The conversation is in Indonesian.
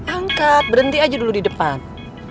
angkat berhenti aja dulu di depan